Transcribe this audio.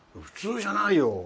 普通じゃないよ。